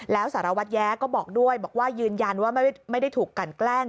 แล้วสารวัตรแย้ก็บอกด้วยบอกว่ายืนยันว่าไม่ได้ถูกกันแกล้ง